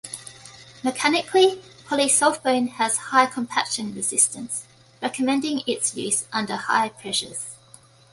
Mechanically, polysulfone has high compaction resistance, recommending its use under high pressures.